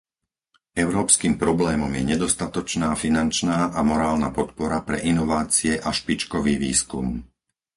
Európskym problémom je nedostatočná finančná a morálna podpora pre inovácie a špičkový výskum.